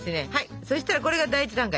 そしたらこれが第１段階ですよ！